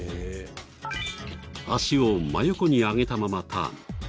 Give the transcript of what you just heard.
足を真横に上げたままターン。